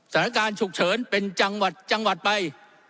สถานการณ์ฉุกเฉินเป็นจังหวัดไป